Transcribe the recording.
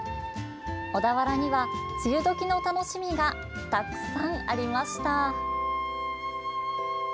小田原には、梅雨時の楽しみがたくさんありました。